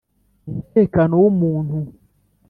umutekano w‘umuntu.